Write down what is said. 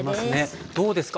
どうですか？